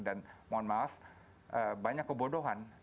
dan mohon maaf banyak kebodohan